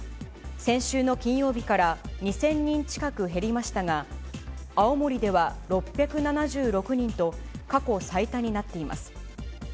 先週の金曜日から２０００人近く減りましたが、青森では６７６人と、過去最多になっています。